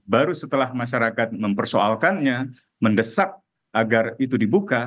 baru setelah masyarakat mempersoalkannya mendesak agar itu dibuka